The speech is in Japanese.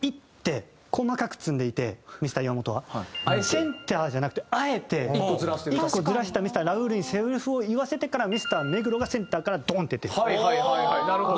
センターじゃなくてあえて１個ずらしたミスターラウールにセリフを言わせてからミスター目黒がセンターからドーンって出てくる。